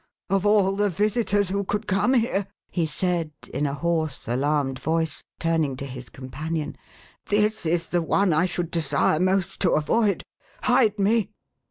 "Of all the visitors who could come here," he said, in a hoarse alarmed voice, turning to his companion, " this is the one I should desire most to avoid. Hide me